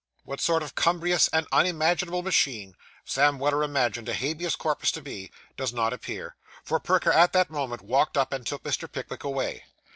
What sort of cumbrous and unmanageable machine, Sam Weller imagined a habeas corpus to be, does not appear; for Perker, at that moment, walked up and took Mr. Pickwick away.